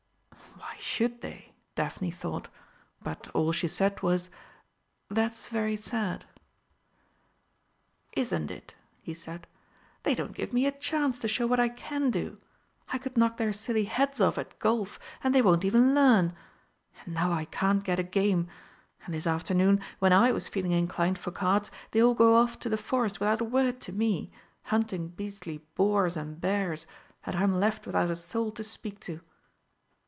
"Why should they?" Daphne thought, but all she said was, "That's very sad." "Isn't it?" he said; "they don't give me a chance to show what I can do. I could knock their silly heads off at golf, and they won't even learn! And now I can't get a game; and this afternoon, when I was feeling inclined for cards, they all go off to the forest without a word to me, hunting beastly boars and bears, and I'm left without a soul to speak to."